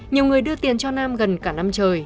nhiều người đưa tiền cho nam gần cả năm trời